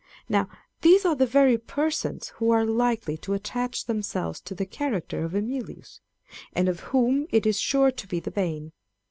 1 Now these are the very persons who are likely to attach themselves to the character of Emilius, and of whom it is sure to be the bane.